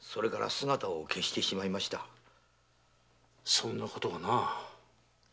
そんなことがなあ。